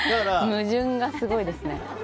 矛盾がすごいですね。